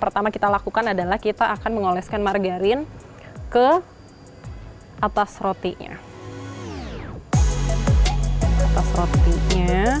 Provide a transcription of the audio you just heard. pertama kita lakukan adalah kita akan mengoleskan margarin ke atas rotinya atas rotinya